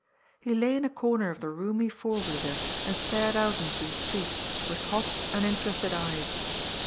He lay in a comer of the roomy four wheeler and stared out into the street with hot, uninterested eyes.